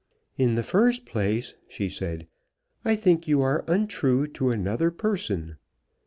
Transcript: "In the first place," she said, "I think you are untrue to another person."